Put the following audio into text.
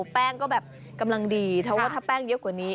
แป้งก็แบบกำลังดีเพราะว่าถ้าแป้งเยอะกว่านี้